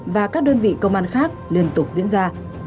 và các đơn vị công an khác liên tục diễn ra